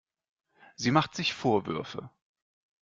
Sie macht sich Vorwürfe.